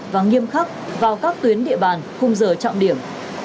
và nghiêm khắc vào các tuyến địa bàn khung giờ trọng điểm